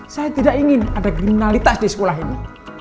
saya tidak ingin ada kriminalitas di sekolah ini